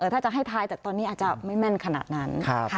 ถ้าจะให้ทายแต่ตอนนี้อาจจะไม่แม่นขนาดนั้น